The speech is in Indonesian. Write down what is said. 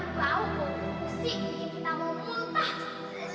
bau kok gusik ini kita mau muntah